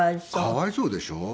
かわいそうでしょ？